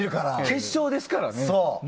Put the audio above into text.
結晶ですからね。